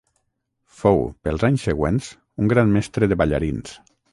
Fou, pels anys següents, un gran mestre de ballarins.